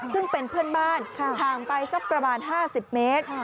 ซึ่งเป็นเพื่อนบ้านห่างไปสักประมาณ๕๐เมตร